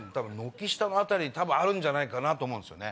軒下の辺りにあるんじゃないかと思うんですよね。